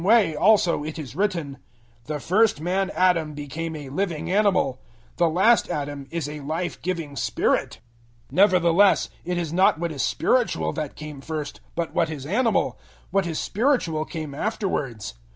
015:045 In the same way also it is written, "The first man Adam became a living animal"; the last Adam is a life giving Spirit. 015:046 Nevertheless, it is not what is spiritual that came first, but what is animal; what is spiritual came afterwards.